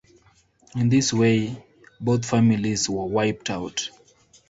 In this way both families were wiped out.